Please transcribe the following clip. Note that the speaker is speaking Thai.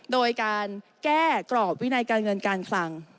โดยการแก้กรอบวินัยการเงินการคลัง